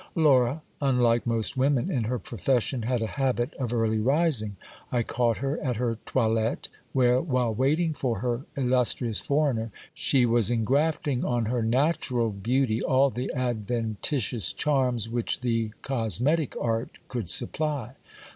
Laura, unlike most women in her profession, had a habit of early rising. I caught her at her toilette, where, while waiting for her illustrious foreigner, she was engrafting on her natural beautv all the adventitious charms which the 254 GIL BLAS. cosmetic art could supply.